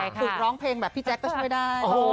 โชคสุรร้องเพลงแบบพี่เจคก็ช่วยได้โอ้โห